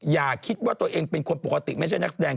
อย่าคิดว่าตัวเองเป็นคนปกติไม่ใช่นักแสดง